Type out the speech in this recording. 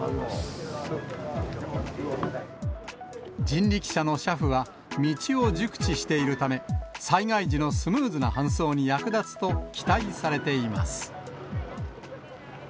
人力車の車夫は道を熟知しているため、災害時のスムーズな搬送に役立つと期待されています。